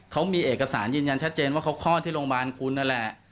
เขามีเอกสารยืนยันชัดเจนว่าเขาคลอดที่โรงพยาบาลคุณนั่นแหละ